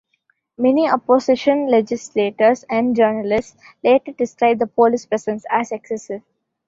Many opposition legislators and journalists later described the police presence as excessive.